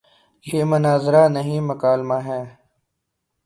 یہ مناظرہ نہیں، مکالمہ ہے۔